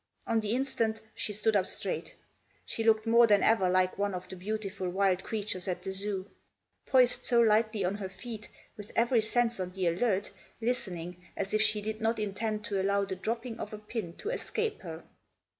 On the instant she stood up straight. She looked more than ever like one of the beautiful wild 9* Digitized by 132 THE JOSS. creatures at the Zoo ; poised so lightly on her feet, with every sense on the alert, listening as if she did not intend to allow the dropping of a pin to escape her.